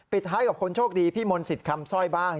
ท้ายกับคนโชคดีพี่มนต์สิทธิ์คำสร้อยบ้าง